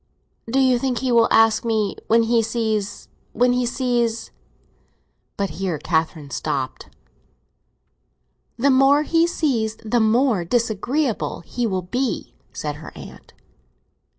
"Do you think he will ask me when he sees—when he sees—?" But here Catherine stopped. "The more he sees the more disagreeable he will be," said her aunt.